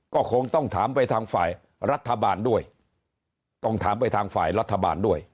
ก็คงต้องถามไปทางฝ่ายรัฐบาลด้วย